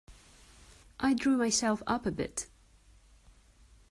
I drew myself up a bit.